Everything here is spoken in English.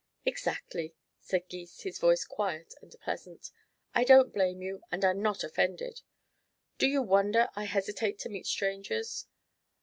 "Exactly," said Gys, his voice quiet and pleasant. "I don't blame you and I'm not offended. Do you wonder I hesitate to meet strangers?"